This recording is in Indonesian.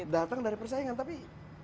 datang dari persaingan tapi